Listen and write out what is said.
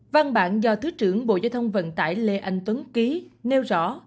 văn bản do thứ trưởng bộ giao thông vận tải lê anh tuấn ký nêu rõ